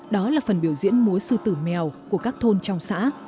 đó là phần biểu diễn múa sư tử mèo của các thôn trong xã